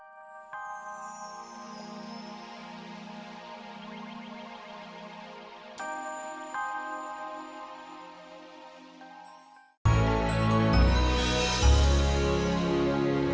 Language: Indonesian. saya kanjeng tumenggung